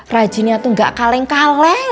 rajinnya itu gak kaleng kaleng